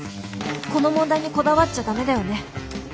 この問題にこだわっちゃダメだよね。